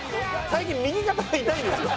最近右肩が痛いんですよ。